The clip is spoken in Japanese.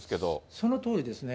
そのとおりですね。